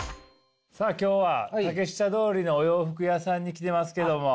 さあ今日は竹下通りのお洋服屋さんに来てますけども。